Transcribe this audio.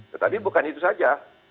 tetapi bukan itu saja